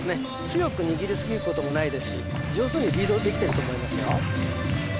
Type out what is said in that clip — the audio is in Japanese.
強く握りすぎることもないですし上手にリードできてると思いますよ